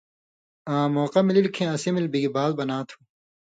آں موقع ملِلیۡ کھیں اسی ملی بِگ بال بنا تُھو۔